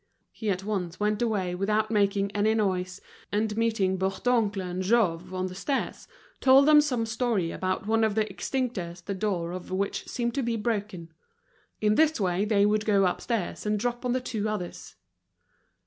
He at once went away without making any noise; and meeting Bourdoncle and Jouve on the stairs, told them some story about one of the extincteurs the door of which seemed to be broken; in this way they would go upstairs and drop on to the two others.